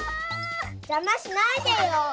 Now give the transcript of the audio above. じゃましないでよ！